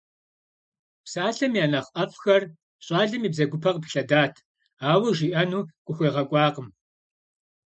Псалъэм я нэхъ ӀэфӀхэр щӀалэм и бзэгупэ къыпылъэдат, ауэ жиӀэну къыхуегъэкӀуакъым.